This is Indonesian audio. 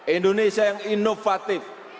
indonesia yang inovatif